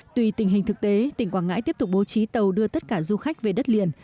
tùy tình hình thực tế tỉnh quảng ngãi tiếp tục bố trí tàu đưa tất cả du khách về đất liền